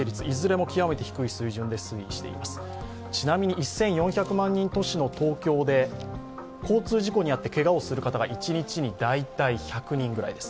ちなみに１４００万人都市の東京で交通事故に遭ってけがをする方が一日に大体１００人ぐらいです。